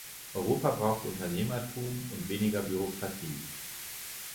Europa braucht Unternehmertum und weniger Bürokratie.